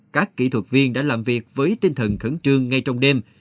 các kỹ thuật viên đã làm việc với tinh thần khẩn trương ngay trong đêm